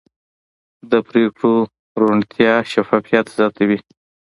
د پرېکړو روڼتیا شفافیت زیاتوي